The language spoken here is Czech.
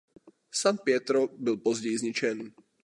San Pietro byl později zničen.